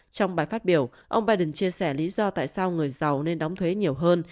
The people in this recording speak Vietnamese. trong bài phát biểu ông biden chia sẻ lý do tại sao người giàu nên đóng thuế nhiều hơn